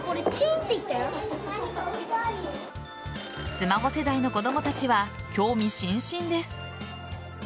スマホ世代の子供たちは興味津々です。